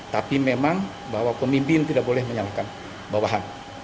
tapi memang bahwa pemimpin tidak boleh menyalahkan bawahan